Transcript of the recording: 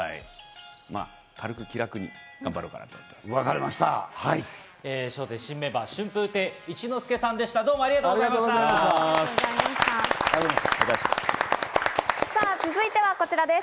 軽く気楽に頑張ろうかなと思います。